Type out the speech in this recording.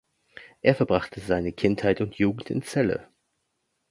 Er verbrachte seine Kindheit und Jugend in Celle.